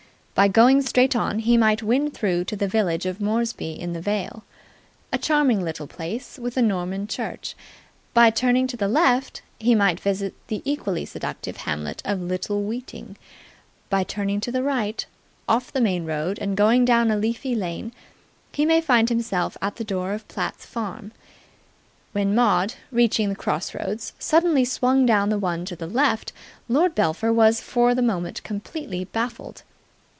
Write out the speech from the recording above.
By going straight on he may win through to the village of Moresby in the Vale, a charming little place with a Norman church; by turning to the left he may visit the equally seductive hamlet of Little Weeting; by turning to the right off the main road and going down a leafy lane he may find himself at the door of Platt's farm. When Maud, reaching the cross roads, suddenly swung down the one to the left, Lord Belpher was for the moment completely baffled.